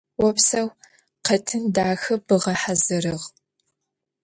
Опсэу, къэтын дахэ бгъэхьазырыгъ.